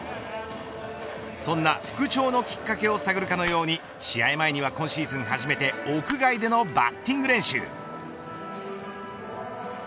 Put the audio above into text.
そんな復調のきっかけを探るかのように試合前には今シーズン初めて屋外でのバッティング練習。